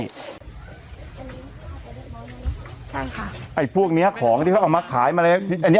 ใช่ค่ะไอ้พวกเนี้ยของที่เขาเอามาขายมาเลยอันนี้